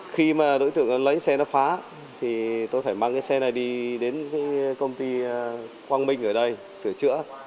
khi mà đối tượng lấy xe nó phá thì tôi phải mang cái xe này đi đến công ty quang minh ở đây sửa chữa